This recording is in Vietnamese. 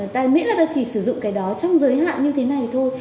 ta nghĩ là ta chỉ sử dụng cái đó trong giới hạn như thế này thôi